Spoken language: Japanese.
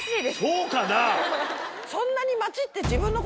そうだな。